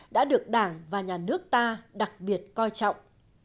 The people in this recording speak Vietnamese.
đã được đảng và nhà nước ta đặc biệt coi trọng